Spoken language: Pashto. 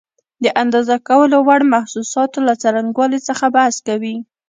د اندازه کولو وړ محسوساتو له څرنګوالي څخه بحث کوي.